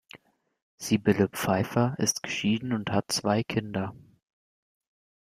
Sibylle Pfeiffer ist geschieden und hat zwei Kinder.